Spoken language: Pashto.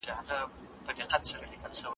خو په دوي کي هغه شرطونه شتون نلري